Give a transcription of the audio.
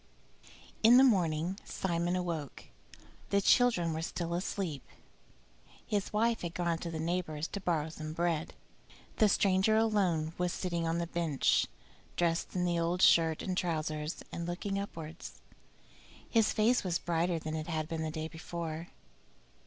V In the morning Simon awoke. The children were still asleep; his wife had gone to the neighbor's to borrow some bread. The stranger alone was sitting on the bench, dressed in the old shirt and trousers, and looking upwards. His face was brighter than it had been the day before.